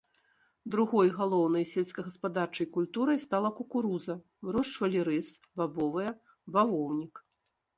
Другой галоўнай сельскагаспадарчай культурай стала кукуруза, вырошчвалі рыс, бабовыя, бавоўнік.